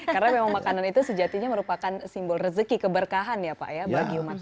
karena memang makanan itu sejatinya merupakan simbol rezeki keberkahan ya pak ya bagi umat manusia